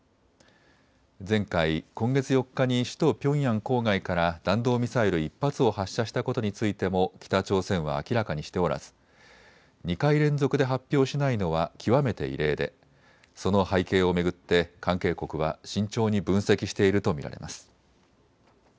前回、今月４日に首都ピョンヤン郊外から弾道ミサイル１発を発射したことについても北朝鮮は明らかにしておらず２回連続で発表しないのは極めて異例でその背景を巡って関係国は慎重に分析していると見られます。